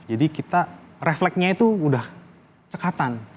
jadi kita refleksinya itu udah cekatan